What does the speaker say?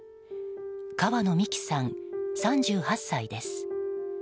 川野美樹さん、３８歳です。